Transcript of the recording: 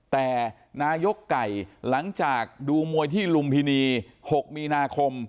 แต่นายกไก่หลังจากดูมวยที่ลุมพินี๖มีนาคม